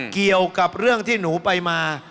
เกี่ยวกับเรื่องที่หนูไปมา